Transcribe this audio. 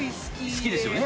好きですよね？